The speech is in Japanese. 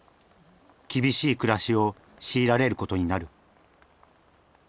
厳しい暮らしを強いられることになる。